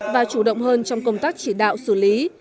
và chủ động hơn trong công tác chỉ đạo xử lý